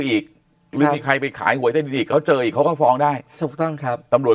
อีกมีใครไปขายหัวไอ้ดินอีกเขาเจออีกเขาก็ฟ้องได้ตำรวจ